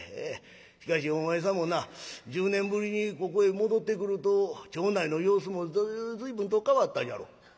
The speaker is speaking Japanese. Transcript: しかしお前さんもな１０年ぶりにここへ戻ってくると町内の様子も随分と変わったじゃろ？」。